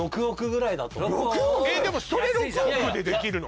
えでもそれ６億でできるの？